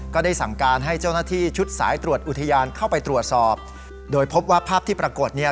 ก็ได้สั่งการให้เจ้าหน้าที่ชุดสายตรวจอุทยานเข้าไปตรวจสอบโดยพบว่าภาพที่ปรากฏเนี่ย